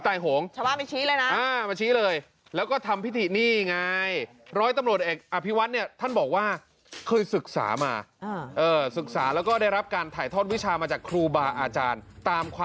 อันนี้ไม่ได้มั่ว